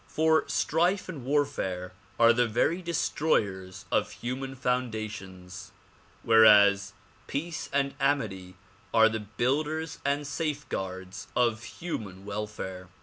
For strife and warfare are the very destroyers of human foundations whereas peace and amity are the builders and safeguards of human welfare.